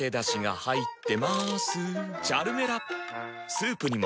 スープにも。